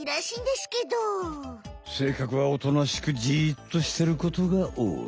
性格はおとなしくじっとしてることがおおい。